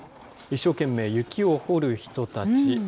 一生懸命雪を掘る人たち。